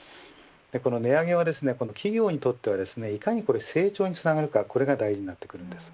値上げは企業にとってはいかに成長につながるかが大事になってきます。